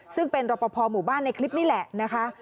ซึ่งเป็นรปภหมู่บ้านในคลิปนี่แหละนะคะ